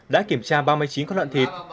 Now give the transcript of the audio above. đã kiểm tra ba mươi chín con lợn thịt